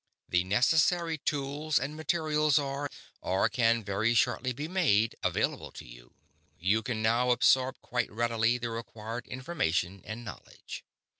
The necessary tools and materials are, or can very shortly be made, available to you; you can now absorb quite readily the required information and knowledge.